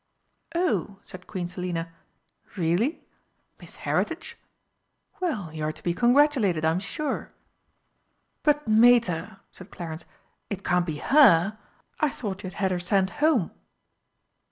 "Oh," said Queen Selina. "Really? Miss Heritage? Well, you are to be congratulated, I'm sure." "But, Mater," said Clarence, "it can't be her! I thought you'd had her sent home?"